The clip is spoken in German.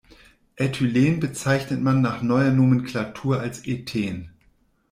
Äthylen bezeichnet man nach neuer Nomenklatur als Ethen.